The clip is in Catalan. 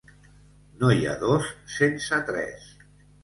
No hi ha dos sense tres.